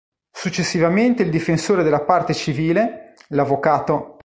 Successivamente il difensore della parte civile, l’avv.